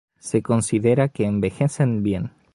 Se considera que envejecen bien.